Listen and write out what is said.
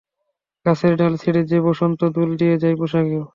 গাছের ডাল ছেড়ে যে বসন্ত দোল দিয়ে যায় পোশাকেও।